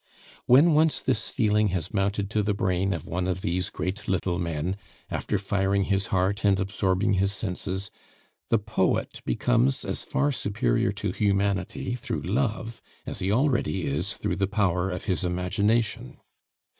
When once this feeling has mounted to the brain of one of these great little men, after firing his heart and absorbing his senses, the poet becomes as far superior to humanity through love as he already is through the power of his imagination.